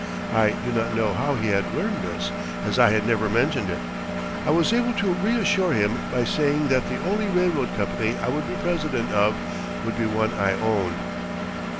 I do not know how he had learned this, as I had never mentioned it. I was able to reassure him by saying that the only railroad company I would be president of would be one I owned.